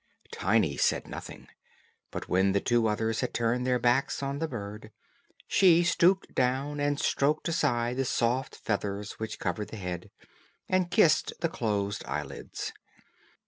Tiny said nothing; but when the two others had turned their backs on the bird, she stooped down and stroked aside the soft feathers which covered the head, and kissed the closed eyelids.